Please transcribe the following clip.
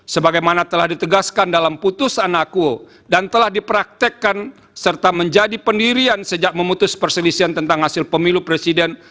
sebagaimana telah ditegaskan dalam putusan akuo dan telah dipraktekkan serta menjadi pendirian sejak memutus perselisian tentang hasil pemilu presiden